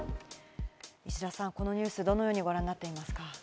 石田さん、このニュースをどのようにご覧になっていますか？